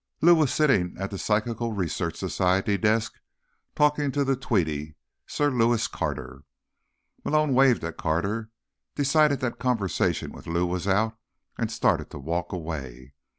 Lou was sitting at the Psychical Research Society desk, talking to the tweedy Sir Lewis Carter. Malone waved at Carter, decided that conversation with Lou was out, and started to walk away.